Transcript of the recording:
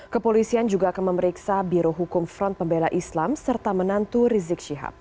kepolisian juga akan memeriksa biro hukum front pembela islam serta menantu rizik syihab